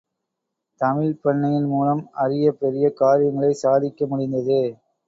தமிழ்ப்பண்ணையின் மூலம் அரிய பெரிய காரியங்களைச் சாதிக்க முடிந்தது.